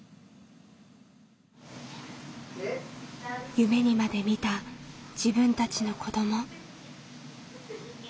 夢にまで見た自分たちの子ども。